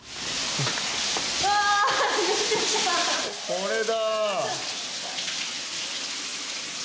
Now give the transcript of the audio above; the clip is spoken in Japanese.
これだー